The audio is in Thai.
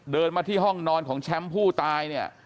เดินมาที่ห้องนอนของแชมป์ผู้ตายเนี่ย